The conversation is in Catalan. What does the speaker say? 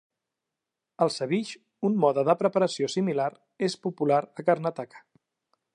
El "savige", un mode de preparació similar, és popular a Karnataka.